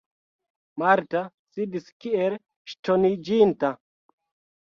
Marta sidis kiel ŝtoniĝinta.